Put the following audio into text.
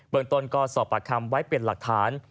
เมืองต้นก็สอบปากคำไว้เป็นหลักฐาน